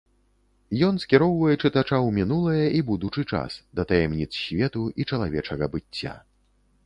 Ён скіроўвае чытача ў мінулае і будучы час, да таямніц свету і чалавечага быцця.